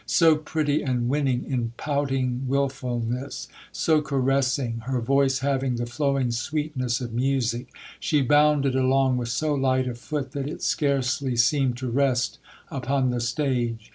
"So pretty and winning in pouting wilfulness, so caressing, her voice having the flowing sweetness of music, she bounded along with so light a foot that it scarcely seemed to rest upon the stage."